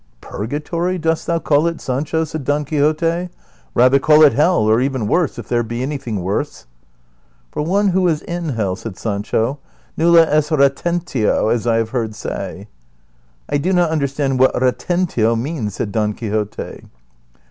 " Purgatory dost thou call it, Sancho ?" said Don Quixote, "rather call it hell, or even worse if there be anything worse." " For one who is in hell," said Sancho, '• nulla est retentio, as I have heard say." " I do not understand what retentio means," said Don Qui xote.